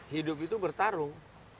hidup itu bertarung